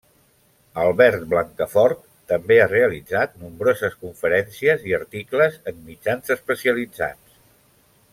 Albert Blancafort també ha realitzat nombroses conferències i articles en mitjans especialitzats.